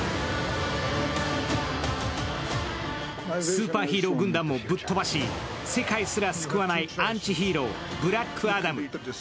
スーパーヒーロー軍団もぶっ飛ばし、世界すら救わないアンチヒーロー、ブラックアダム。